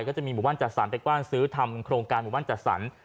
ก็จะมีหมู่บ้านจัดสรรไปกว้านซื้อทำโครงการหมู่บ้านจัดสรร